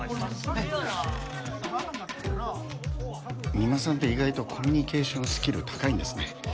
三馬さんって意外とコミュニケーションスキル高いんですね。